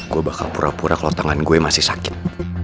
gue bakal pura pura kalau tangan gue masih sakit